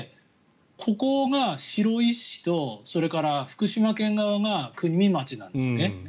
ここが白石市とそれから福島県側が国見町です。